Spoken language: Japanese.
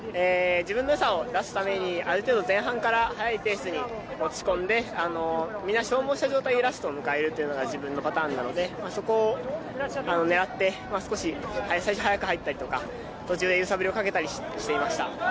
自分の良さを出すために相手を前半から速いペースに持ち込んで、みんな消耗した状態でラストを迎えるというのが自分のパターンなのでそこを狙って最初少し速くなったりとか途中で揺さぶりをかけたりしました。